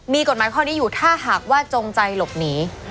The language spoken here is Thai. มีกฎหมายข้อนี้อยู่ถ้าหากว่าจงใจหลบหนี